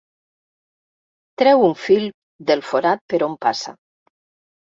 Treu un fil del forat per on passa.